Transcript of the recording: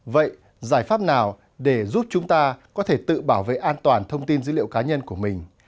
vậy giải pháp nào để giúp chúng ta có thể tự bảo vệ an toàn thông tin dữ liệu cá nhân của mình